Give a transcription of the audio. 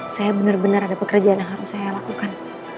saya bener bener ada pekerjaan yang harus saya lakukan